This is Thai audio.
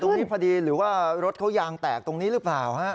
พอดีหรือว่ารถเขายางแตกตรงนี้หรือเปล่าฮะ